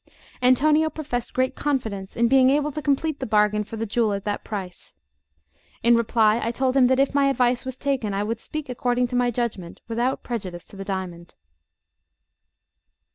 Antonio professed great confidence in being able to complete the bargain for the jewel at that price. In reply, I told him that if my advice was taken, I would speak according to my judgment, without prejudice to the diamond.